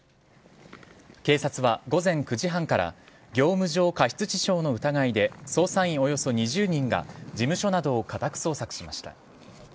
警察は午前９時半から業務上過失致傷の疑いで捜査員およそ２０人が事務所などを家宅捜索しました。